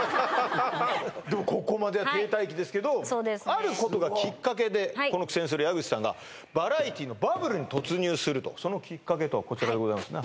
あることがきっかけでこの苦戦する矢口さんがバラエティのバブルに突入するとそのきっかけとはこちらでございますね